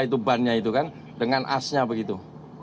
itu bannya itu kan dengan asnya begitu